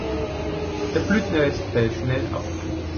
Der Blütenrest fällt schnell ab.